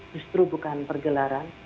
justru bukan pergelaran